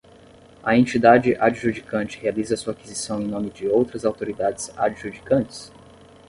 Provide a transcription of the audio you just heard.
A entidade adjudicante realiza a sua aquisição em nome de outras autoridades adjudicantes?